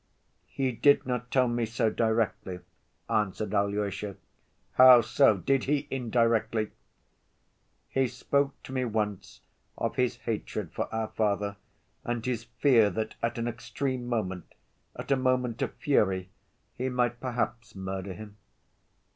"He did not tell me so directly," answered Alyosha. "How so? Did he indirectly?" "He spoke to me once of his hatred for our father and his fear that at an extreme moment ... at a moment of fury, he might perhaps murder him."